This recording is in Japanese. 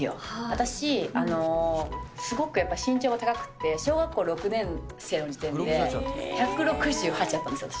私、すごくやっぱり身長が高くって、小学校６年生の時点で、１６８あったんですよ、私。